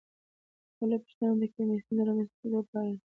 بله پوښتنه د کمیسیون د رامنځته کیدو په اړه ده.